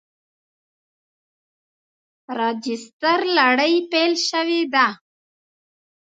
راجستر لړۍ پیل شوې ده.